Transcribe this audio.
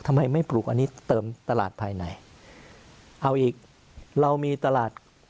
ทำไมไม่ปลูกอันนี้เติมตลาดภายในเอาอีกเรามีตลาด